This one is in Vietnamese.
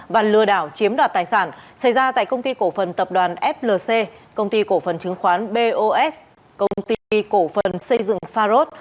và lừa đảo chiếm đoạt tài sản xảy ra tại công ty cổ phần tập đoàn flc công ty cổ phần chứng khoán bos công ty cổ phần xây dựng pharos